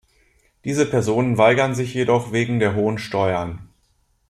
Diese Personen weigern sich jedoch wegen der hohen Steuern.